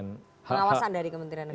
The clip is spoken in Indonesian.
pengawasan dari kementerian negara